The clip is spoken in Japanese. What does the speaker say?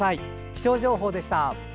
気象情報でした。